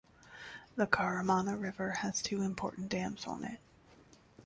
The Karamana river has two important dams on it.